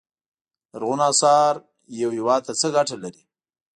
لرغونو اثار یو هیواد ته څه ګټه لري.